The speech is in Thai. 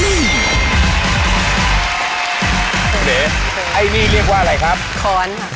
คุณเรก๊ยอันนี้เรียกว่าอะไรครับ